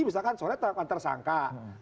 misalkan sore ternyata tersangka